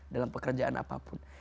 dalam pekerjaan apapun